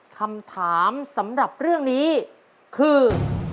คำถามสำหรับเรื่องนี้คือ